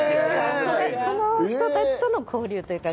その人たちとの交流というか。